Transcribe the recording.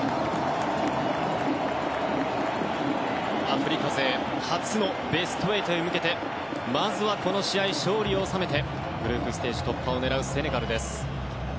アフリカ勢初のベスト８へ向けてまずはこの試合、勝利を収めてグループステージ突破を狙うセネガルです。